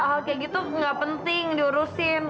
hal hal kayak gitu nggak penting diurusin